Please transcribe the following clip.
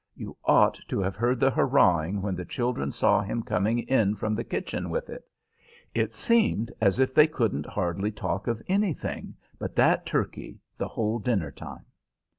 You ought to have heard the hurrahing when the children saw him coming in from the kitchen with it. It seemed as if they couldn't hardly talk of anything but that turkey the whole dinner time.